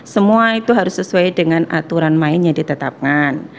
semua itu harus sesuai dengan aturan mainnya ditetapkan